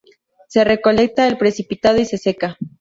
Se recolecta el precipitado y se seca.